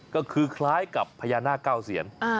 ก็คือคล้ายกับพญานาคเก้าเซียน